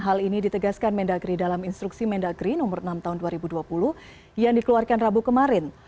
hal ini ditegaskan mendagri dalam instruksi mendagri nomor enam tahun dua ribu dua puluh yang dikeluarkan rabu kemarin